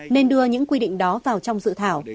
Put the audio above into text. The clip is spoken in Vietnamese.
nên đưa những quy định đó vào trong dự thảo